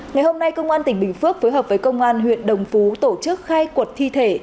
ngày hôm nay công an tỉnh bình phước phối hợp với công an huyện đồng phú tổ chức khai quật thi thể